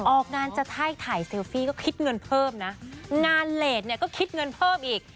ออกงานจะไพ่ถ่ายเซลฟี่ก็คิดเงินเพิ่มนะงานเลสเนี่ยก็คิดเงินเพิ่มอีก